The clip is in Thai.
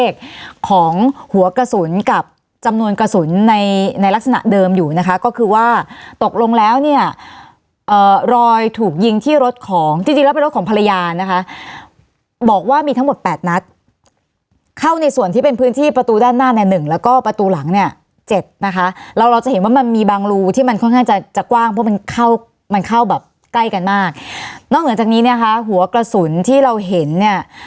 ของหัวกระสุนกับจำนวนกระสุนในลักษณะเดิมอยู่นะคะก็คือว่าตกลงแล้วเนี่ยรอยถูกยิงที่รถของที่รถของภรรยานะคะบอกว่ามีทั้งหมด๘นัดเข้าในส่วนที่เป็นพื้นที่ประตูด้านหน้าในหนึ่งแล้วก็ประตูหลังเนี่ย๗นะคะเราจะเห็นว่ามันมีบางรูที่มันค่อนข้างจะกว้างเพราะมันเข้ามันเข้าแบบใกล้กันมากนอกเหนือจ